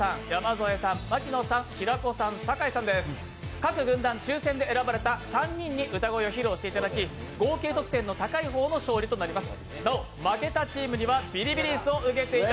各軍団、抽選で選ばれた３人に歌を披露していただき合計得点の高い方の勝利となります。